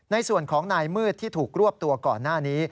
ในส่วนของนายมืดที่ถูกรวบตัวก่อนหน้านี้